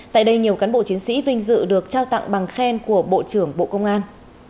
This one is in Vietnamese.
tại đây nhiều cán bộ chiến sĩ vinh dự được trao tặng bằng khen của bộ trưởng bộ công an